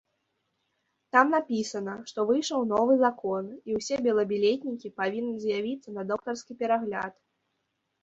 Там напісана, што выйшаў новы закон і ўсе белабілетнікі павінны з'явіцца на доктарскі перагляд.